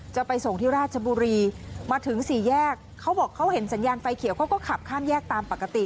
จะไปส่งที่ราชบุรีมาถึงสี่แยกเขาบอกเขาเห็นสัญญาณไฟเขียวเขาก็ขับข้ามแยกตามปกติ